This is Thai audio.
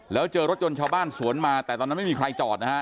แล้วเจอรถยนต์ชาวบ้านสวนมาแต่ตอนนั้นไม่มีใครจอดนะฮะ